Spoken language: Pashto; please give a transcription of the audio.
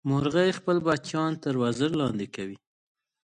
مورغۍ خپل بچیان تر وزر لاندې کوي